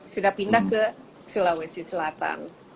sudah pindah ke sulawesi selatan